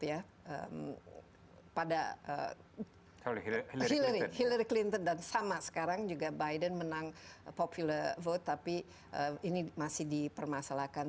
ya pada hillary clinton dan sama sekarang juga biden menang popular vote tapi ini masih dipermasalahkan